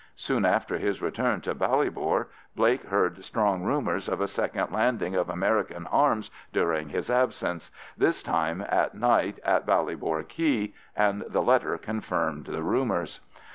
Soon after his return to Ballybor Blake heard strong rumours of a second landing of American arms during his absence—this time, at night at Ballybor quay—and the letter confirmed the rumours.